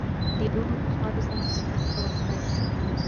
د لوڼو په ښه روزنه کې هڅه وکړئ.